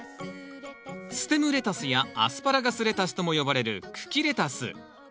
ステムレタスやアスパラガスレタスとも呼ばれる茎レタス。